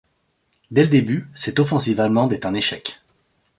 Dès le début, cette offensive allemande est un échec.